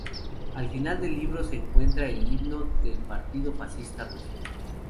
Al final del libro se encuentra el himno del Partido Fascista Ruso.